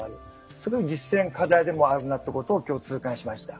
それが実践課題でもあるなってことを今日痛感しました。